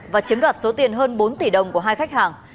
và chiếm đoạt số tiền hơn bốn tỷ đồng của hai khách hàng